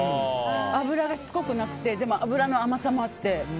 脂がしつこくなくてでも脂の甘さもあって。